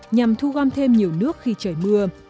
nhằm thu gom thêm nhiều nước khi trời mưa